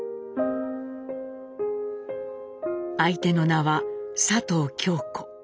相手の名は佐藤京子。